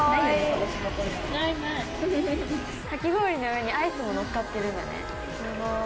かき氷の上にアイスものっかってるんだね。